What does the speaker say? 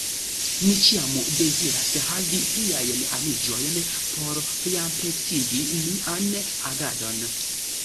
Ni ĉiam deziras havi pliajn aniĝojn por pliampleksigi nian agadon.